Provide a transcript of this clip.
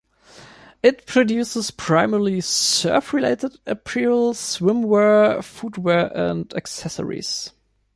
It produces primarily surf related apparel, swimwear, footwear and accessories.